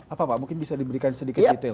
apa pak mungkin bisa diberikan sedikit detail